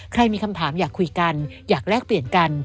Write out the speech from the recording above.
ใครมีคำถามอยากคุยกันอยากแลกเปลี่ยนกัน